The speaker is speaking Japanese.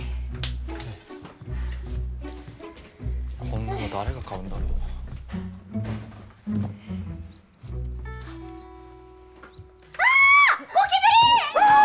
こんなの誰が買うんだろう。わ！